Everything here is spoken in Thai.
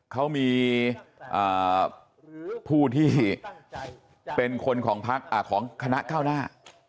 เขามีผู้ที่เป็นคนของคณะเก้าหน้า